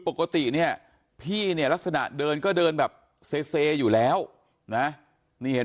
ปกติเนี่ยพี่เนี่ยลักษณะเดินก็เดินแบบเซอยู่แล้วนะนี่เห็น